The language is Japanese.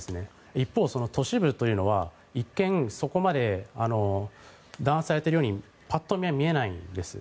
一方、都市部は一見、そこまで弾圧されているようにパッと見は見えないです。